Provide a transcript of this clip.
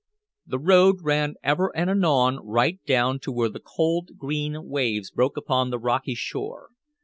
The road ran ever and anon right down to where the cold, green waves broke upon the rocky shore.